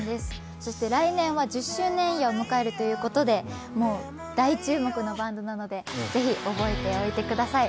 来年は１０周年イヤーを迎えるということで大注目のバンドなのでぜひ、覚えておいてください。